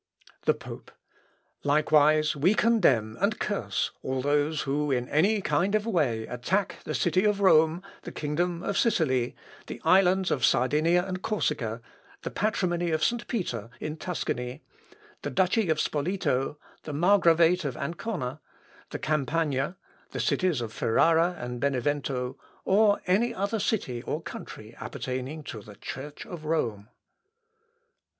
The Pope. "Likewise we condemn and curse all those who in any kind of way attack the city Rome, the kingdom of Sicily, the islands of Sardinia and Corsica, the patrimony of St. Peter in Tuscany, the duchy of Spoleto, the margravate of Ancona, the Campagna, the cities of Ferrara and Benevento, or any other city or country appertaining to the Church of Rome."